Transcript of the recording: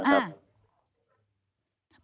บอกแค่ว่าไปงาน